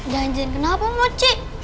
jangan jangan kenapa moci